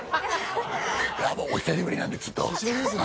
お久しぶりなんで、ちょっと。